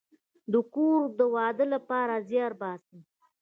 د کور او د واده لپاره زیار باسم